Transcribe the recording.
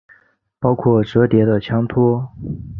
包括折叠的枪托。